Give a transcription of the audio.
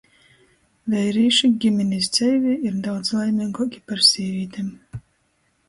Veirīši giminis dzeivī ir daudz laimeiguoki par sīvītem.